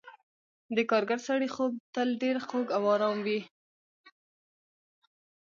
د کارګر سړي خوب تل ډېر خوږ او آرام وي.